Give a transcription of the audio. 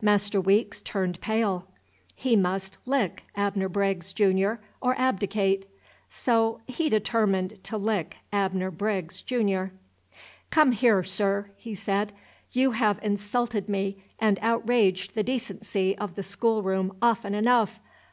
Master Weeks turned pale. He must "lick" Abner Briggs, Junior, or abdicate. So he determined to lick Abner Briggs, Junior. "Come here, Sir!" he said; "you have insulted me and outraged the decency of the schoolroom often enough!